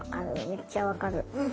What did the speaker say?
めっちゃ分かる。